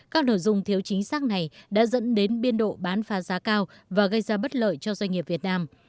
các nội dung thiếu chính xác này đã dẫn đến biên độ bán phá giá cao và gây ra bất lợi cho doanh nghiệp việt nam